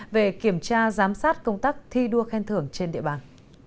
về kiểm tra giám sát công tác thi đua khen thưởng trên địa bàn